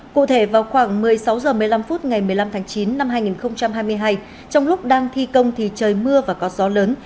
cụ thể vào khoảng một mươi sáu h một mươi năm phút ngày một mươi năm tháng chín năm hai nghìn hai mươi hai trong lúc đang thi công thì trời mưa và có gió lớn